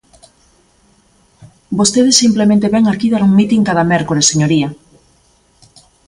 Vostede simplemente vén aquí dar un mitin cada mércores, señoría.